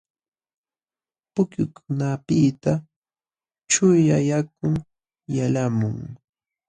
Pukyukunapiqta chuyaq yakun yalqamun.